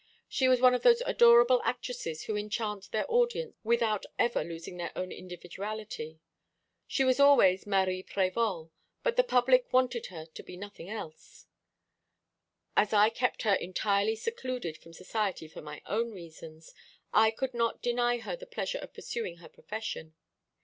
She was one of those adorable actresses who enchant their audience without ever losing their own individuality. She was always Marie Prévol; but the public wanted her to be nothing else. As I kept her entirely secluded from society for my own reasons, I could not deny her the pleasure of pursuing her profession.